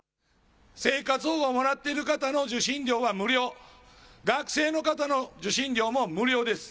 生活保護もらっている方の受信料は無料、学生の方の受信料も無料です。